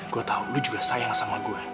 gue tahu lu juga sayang sama gue